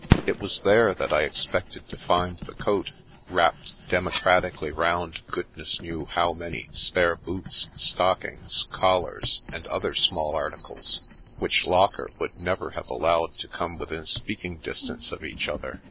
It was there that I expected to find the coat, wrapped democratically round goodness knew how many spare boots, stockings, collars, and other small articles which Locker would never have al lowed to come within speaking distance of each other.